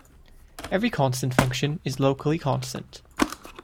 Every constant function is locally constant.